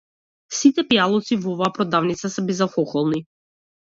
Сите пијалоци во оваа продавница се безалкохолни.